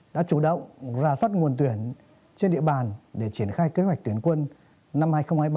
đã chủ động ra soát nguồn tuyển trên địa bàn để triển khai kế hoạch tuyển quân năm hai nghìn hai mươi ba